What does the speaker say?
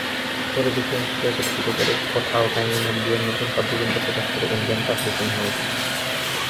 পরে দুটি অংশকে একত্রিত করে "কথা ও কাহিনী" নাম দিয়ে নতুন কাব্যগ্রন্থ প্রকাশ করে ইন্ডিয়ান পাবলিশিং হাউস।